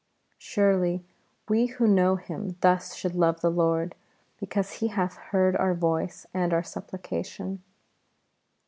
Surely we who know Him thus should love the Lord because He hath heard our voice and our supplication.